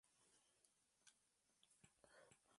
El retablo del altar es una de sus obras maestras.